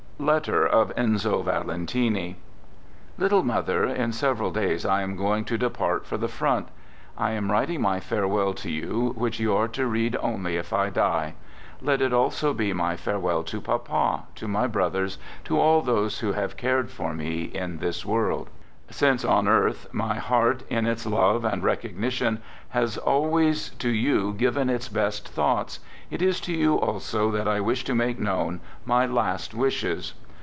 (Letter of Enzo Valentim) Little mother, in several days I am going to de part for the front. I am writing my farewell to you, which you are to read only if I die. Let it also be my farewell to papa, to my brothers, to all those who have cared for me in this world. Digitized by 4 THE GOOD SOLDIER ft Since on earth my heart, in its love and recogni tion, has always to you given its best thoughts, it is to you also that I wish to make known my last wishes.